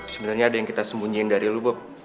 sebenernya ada yang kita sembunyiin dari lo bob